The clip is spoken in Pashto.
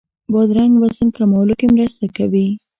بادرنګ وزن کمولو کې مرسته کوي.